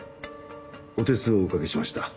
お手数をおかけしました。